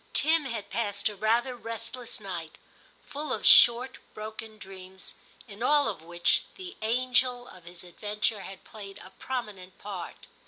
Tim had passed a rather restless night, full of short broken dreams, in all of which, the 'anger of his adventure had played a prominent part.